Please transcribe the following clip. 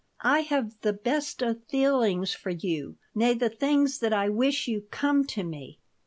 "I have the best of feelings for you. May the things that I wish you come to me.